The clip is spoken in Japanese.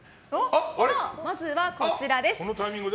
まずはこちらです。